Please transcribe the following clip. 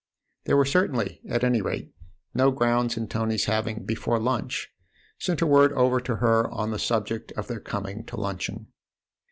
There were certainly, at any rate, no grounds in Tony's having, before church, sent a word over to her on the subject of their coming to luncheon.